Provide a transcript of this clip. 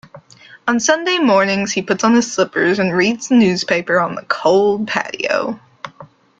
On Sunday mornings, he puts on his slippers and reads the newspaper on the cold patio.